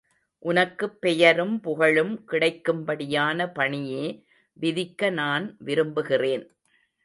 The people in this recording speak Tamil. உனக்குப் பெயரும் புகழும் கிடைக்கும்படியான பணியே விதிக்க நான் விரும்புகிறேன்.